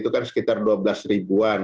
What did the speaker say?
itu kan sekitar dua belas ribuan